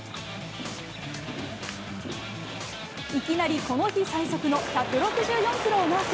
いきなりこの日最速の１６４キロをマーク。